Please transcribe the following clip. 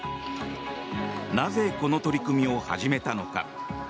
なぜこの取り組みを始めたのか。